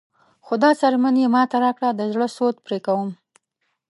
خو دا څرمن یې ماته راکړه د زړه سود پرې کوم.